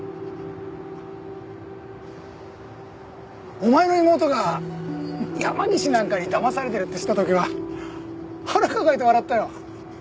お前の妹が山岸なんかにだまされてるって知った時は腹抱えて笑ったよ。